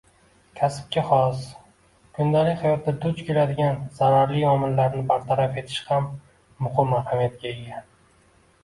Kasbga xos, kundalik hayotda duch keladigan zararli omillarni bartaraf etish ham muhim ahamiyatga ega.